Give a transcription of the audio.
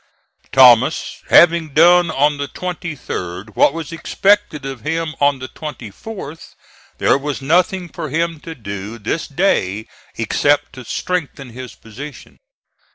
Thomas having done on the 23d what was expected of him on the 24th, there was nothing for him to do this day except to strengthen his position.